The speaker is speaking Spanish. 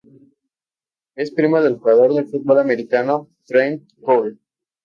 Es primo del jugador de Futbol Americano, Trent Cole.